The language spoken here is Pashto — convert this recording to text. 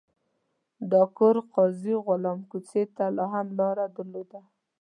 دا کور قاضي غلام کوڅې ته هم لار درلوده.